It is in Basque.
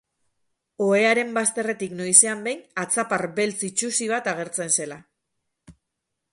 Ohearen bazterretik noizean behin atzapar beltz itsusi bat agertzen zela.